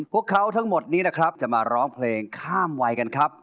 พวกเขาทั้งหมดนี้นะครับจะมาร้องเพลงข้ามวัยกันครับ